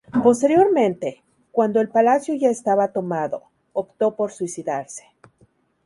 Posteriormente, cuando el palacio ya estaba tomado, optó por suicidarse.